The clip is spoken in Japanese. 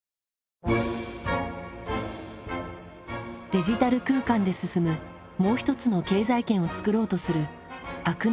デジタル空間で進むもう一つの経済圏を作ろうとする飽く